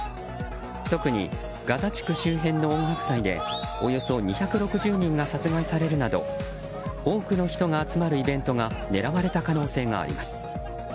特にガザ地区周辺の音楽祭でおよそ２６０人が殺害されるなど多くの人が集まるイベントが狙われた可能性があります。